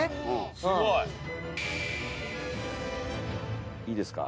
すごい。いいですか？